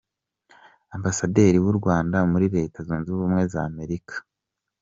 Ambasaderi w’ u Rwanda muri Leta Zunze Ubumwe za Amerika, Prof.